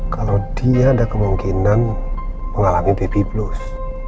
kalau dia ada kemungkinan mengalami baby plus